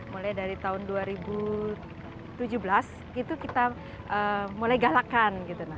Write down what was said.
mulai dari tahun dua ribu tujuh belas itu kita mulai galakan